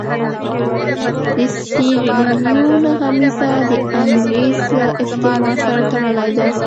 د سیریلیون غمیزه د انګرېز له استعمار سره تړلې ده.